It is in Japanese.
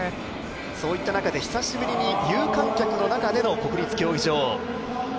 そういった中で久しぶりに有観客の中での国立競技場。